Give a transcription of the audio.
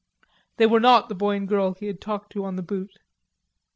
They were not the boy and girl he had talked to on the Butte.